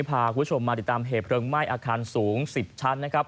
พาคุณผู้ชมมาติดตามเผลิงไหม้อาคารสูง๑๐ชั้น